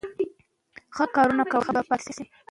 زده کړې ته د انټرنیټ له لارې مثبتې تجربې ورښیي.